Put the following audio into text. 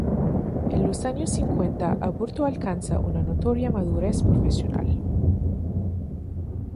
En los años cincuenta Aburto alcanza una notoria madurez profesional.